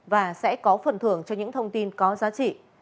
và sẽ có phần thưởng cho những thông tin có giá trị